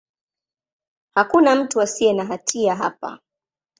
Hakuna mtu asiye na hatia hapa.